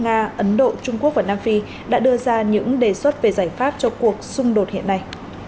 nga ấn độ trung quốc và nam phi đã đưa ra những đề xuất về giải pháp cho cuộc xung đột hiện nay